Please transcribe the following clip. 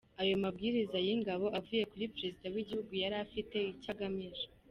Ayo mabwiriza y’Ingabo avuye kuri Perezida w’Igihugu yari afite icyo agamije.